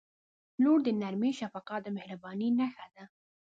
• لور د نرمۍ، شفقت او مهربانۍ نښه ده.